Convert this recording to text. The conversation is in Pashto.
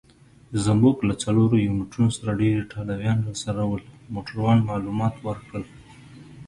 زموږ له څلورو یونیټونو سره ډېر ایټالویان راسره ول. موټروان معلومات ورکړل.